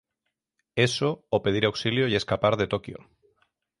Eso, o pedir auxilio y escapar de Tokyo.